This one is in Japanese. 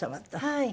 はい。